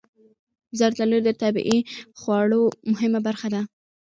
زردالو د طبعي خواړو مهمه برخه ده.